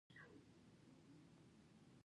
کرنه د خلکو اصلي پیشه ده.